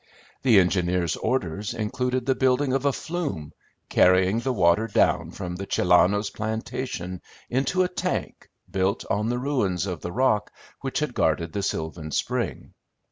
The engineer's orders included the building of a flume, carrying the water down from the Chilano's plantation into a tank, built on the ruins of the rock which had guarded the sylvan spring.